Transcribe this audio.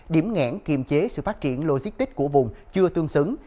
điểm nghẽn kiềm chế sự phát triển logistics của vùng chưa tương xứng